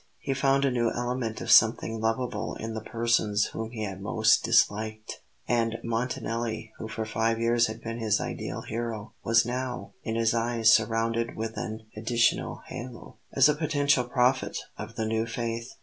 He found a new element of something lovable in the persons whom he had most disliked; and Montanelli, who for five years had been his ideal hero, was now in his eyes surrounded with an additional halo, as a potential prophet of the new faith.